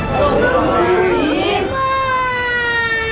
selamat malam bu amil